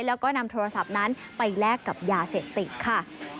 แล้วก็นำโทรศัพท์นั้นไปแลกกับยาเสพติดค่ะ